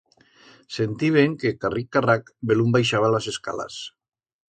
Sentiben que carric-carrac belún baixaba las escalas.